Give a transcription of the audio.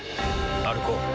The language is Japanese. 歩こう。